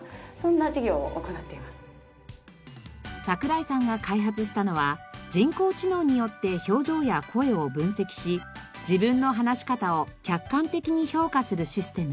櫻井さんが開発したのは人工知能によって表情や声を分析し自分の話し方を客観的に評価するシステム。